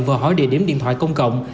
và hỏi địa điểm điện thoại công cộng